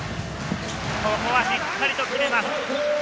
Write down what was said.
ここはしっかりと決めます。